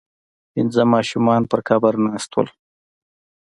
پنځه ماشومان په قبر ناست وو.